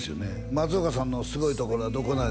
「松岡さんのすごいところはどこなん？」